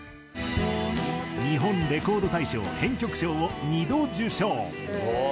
日本レコード大賞編曲賞を２度受賞。